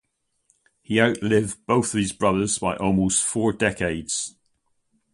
He outlived both of his brothers by almost four decades.